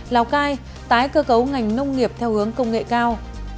lào cai tái cơ cấu ngành nông nghiệp theo hướng công nghệ cao